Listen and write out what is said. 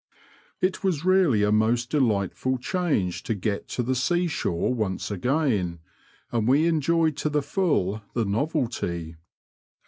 '' It was really a most delightful change to get to the sea shore once again, and we enjoyed to the fall the novelty.